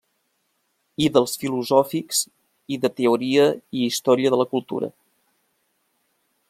I dels filosòfics i de teoria i història de la cultura.